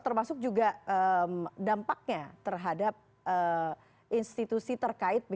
termasuk juga dampaknya terhadap institusi terkait